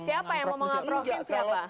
siapa yang mau mengadrogen siapa